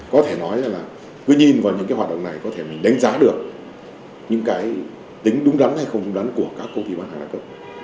có thể nói là cứ nhìn vào những cái hoạt động này có thể mình đánh giá được những cái tính đúng đắn hay không đúng đắn của các công ty bán hàng đa cấp